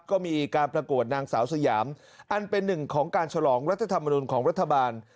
ก็มีการประกวดนางสาวสยามอันเป็นหนึ่งของการฉลองรัฐธรรมนุนของรัฐบาล